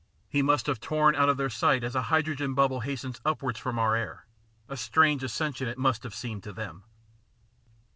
He must have torn out of their sight as a hydrogen bubble hastens upward from our air. A strange ascension it must have seemed to them.